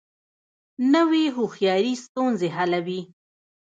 نوې هوښیاري ستونزې حلوي